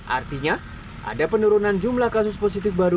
artinya ada penurunan jumlah kasus positif baru